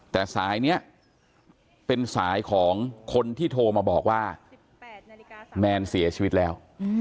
แต่สายนี้เป็นสายของคนที่โทรมาบอกว่าแมนเสียชีวิตแล้ว